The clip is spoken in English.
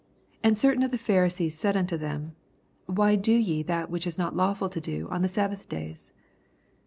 2 And certain of the Pharisees said nnto them, Why do ye that which is not lawful to do on the sabbath days